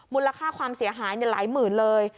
มูลค่าความเสียหายหลายหมื่นเลย